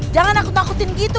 jangan takut takutin gitu